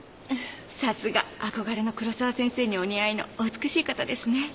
さすが憧れの黒沢先生にお似合いのお美しい方ですね。